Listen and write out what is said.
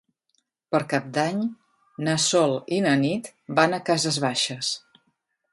Per Cap d'Any na Sol i na Nit van a Cases Baixes.